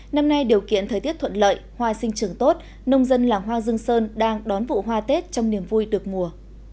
năm nay điều kiện thời tiết thuận lợi hoa sinh trưởng tốt nông dân làng hoa dương sơn đang đón vụ hoa tết trong niềm vui được mùa